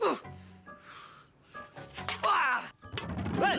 udah keren banget